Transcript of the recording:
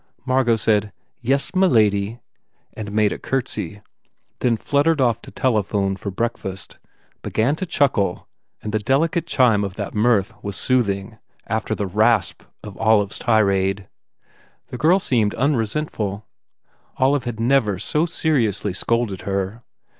Margot said, "Yes, m lady," and made a curtsey, then fluttered off to tele phone for breakfast, began to chuckle and the delicate chime of that mirth was soothing, after the rasp of Olive s tirade. The girl seemed un resentful. Olive had never so seriously scolded her.